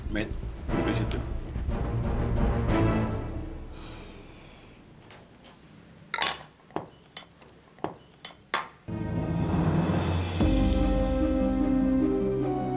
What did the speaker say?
mate beri situ